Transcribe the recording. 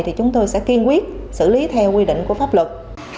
thì chúng tôi sẽ kiên quyết xử lý theo quy định của pháp luật